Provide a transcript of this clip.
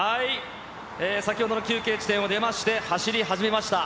先ほどの休憩地点を見まして走り始めました。